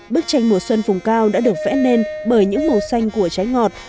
bức tranh mùa xuân vùng cao đã được vẽ nên bởi những màu xanh của trái ngọt